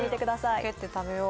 かけて食べよう。